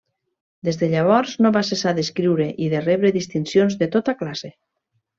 Des de llavors no va cessar d'escriure i de rebre distincions de tota classe.